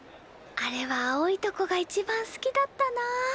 あれは青いとこが一番好きだったなあ。